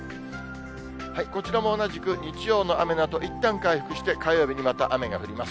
こちらも同じく日曜の雨のあといったん回復して、火曜日にまた雨が降ります。